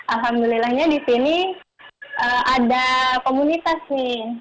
alhamdulillahnya disini ada komunitas nih